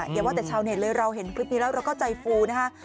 อย่าว่าแต่ชาวเน็ตเลยเราเห็นคลิปนี้แล้วเราก็ใจฟูนะคะ